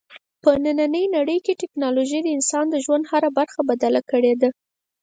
په نننۍ نړۍ کې ټیکنالوژي د انسان د ژوند هره برخه بدله کړې ده.